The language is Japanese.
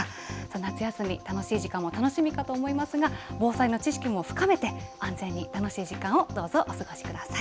夏休み、楽しい時間も楽しみだと思いますが防災の知識も含めて安全に楽しい時間をどうぞお過ごしください。